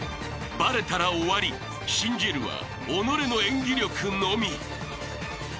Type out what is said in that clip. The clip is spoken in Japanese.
［バレたら終わり信じるは己の演技力のみ］